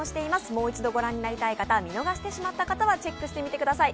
もう一度御覧になりたい方、見逃してしまった方はチェックしてみてください。